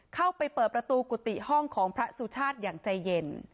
เข้าไปเปิดประตูกุฏิห้องของพระสุชาติอย่างใจเย็น